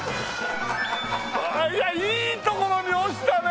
いやいい所に落ちたね！